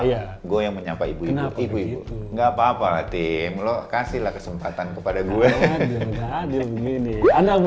iya gue yang menyapa ibu ini ibu ibu enggak apa apa tim lo kasihlah kesempatan kepada gue